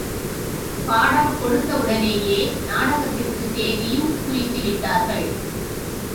பாடம் கொடுத்தவுடனேயே நாடகத்திற்குத் தேதியும் குறித்து விட்டார்கள்.